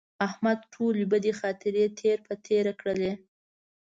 احمد ټولې بدې خاطرې تېر په تېره کړلې.